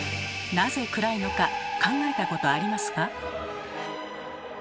なぜ暗いのか考えたことありますか？